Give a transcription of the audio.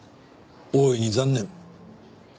大いに残念。